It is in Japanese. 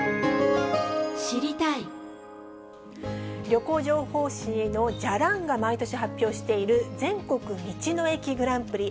旅行情報誌のじゃらんが毎年発表している、全国道の駅グランプリ。